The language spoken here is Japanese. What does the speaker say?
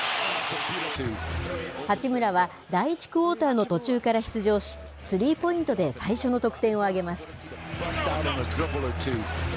八村は第１クオーターの途中から出場し、スリーポイントで最初の得点を挙げます。